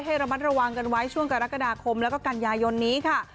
ระมัดระวังกันไว้ช่วงกรกฎาคมแล้วก็กันยายนนี้ค่ะ